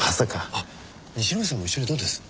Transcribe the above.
あっ西村さんも一緒にどうです？